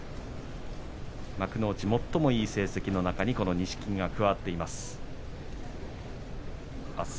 幕内、最もいい成績に錦木が加わっています。